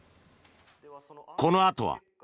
このあとは。